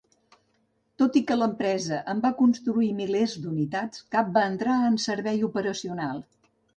Tot i que l'empresa en va construir milers d'unitats, cap va entrar en servei operacional.